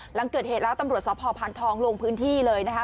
หลังเกิดเหตุแล้วตำรวจสพพานทองลงพื้นที่เลยนะคะ